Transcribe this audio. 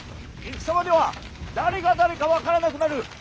戦場では誰が誰か分からなくなる。